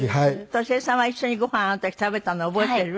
俊恵さんは一緒にご飯あの時食べたの覚えてる？